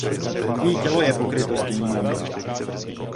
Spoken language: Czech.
Její tělo je pokryto štětinami.